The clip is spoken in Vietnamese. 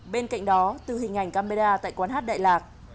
bên cạnh đó từ hình ảnh camera tại quán hát đại lạc